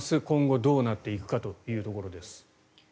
今後どうなっていくかというところです。